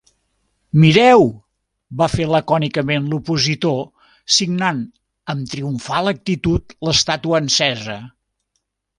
-Mireu!- va fer lacònicament l'opositor, signant amb triomfal actitud l'estàtua encesa.